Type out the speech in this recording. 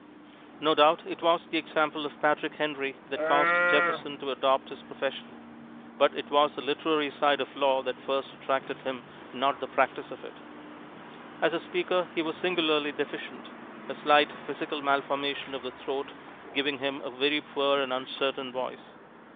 No doubt it was the example of Patrick Henry that caused Jefferson to adopt his profession. But it was the literary side of law that first attracted him not the practise of it. As a speaker he was singularly deficient, a slight physical malformation of the throat giving him a very poor and uncertain voice.